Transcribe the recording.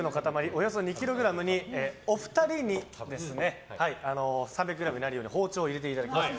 およそ２ｋｇにお二人に３００ｇになるように包丁を入れていただきます。